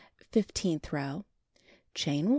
Fifteenth row: Chain 1.